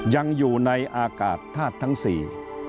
ยังอยู่ในอากาศธาตุทั้งสี่